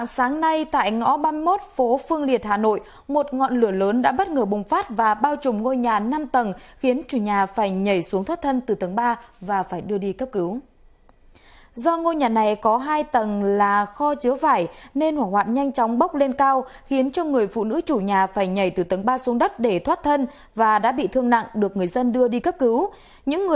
các bạn hãy đăng kí cho kênh lalaschool để không bỏ lỡ những video hấp dẫn